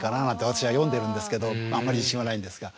私は読んでるんですけどあんまり自信はないんですが。